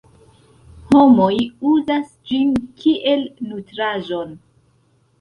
Homoj uzas ĝin kiel nutraĵon.